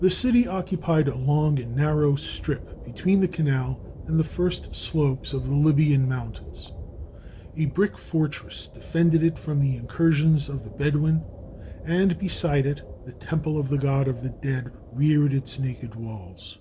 The city occupied a long and narrow strip between the canal and the first slopes of the Libyan mountains. A brick fortress defended it from the incursions of the Bedouin, and beside it the temple of the god of the dead reared its naked walls.